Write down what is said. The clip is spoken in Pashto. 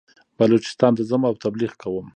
بلوچستان ته ځم او تبلیغ کوم.